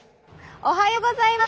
おはようございます。